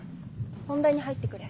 本題に入ってくれ。